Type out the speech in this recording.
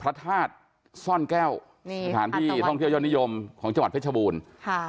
พระทาชสร้อนแก้วนี่อรรณะวันในฐานพี่ท่องเที่ยวย่นิยมของจังหวัดฟรีชบูรณ์ค่ะ